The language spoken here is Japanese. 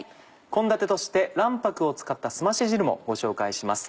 献立として卵白を使ったすまし汁もご紹介します。